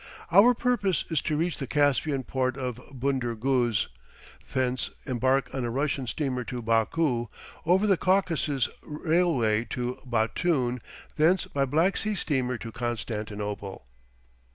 Our purpose is to reach the Caspian port of Bunder Guz, thence embark on a Russian steamer to Baku, over the Caucasus Railway to Batoum, thence by Black Sea steamer to Constantinople.